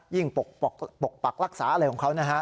ปกปักรักษาอะไรของเขานะฮะ